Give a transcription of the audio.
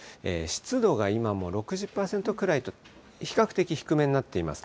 湿度が今も６０％くらいと、比較的低めになっています。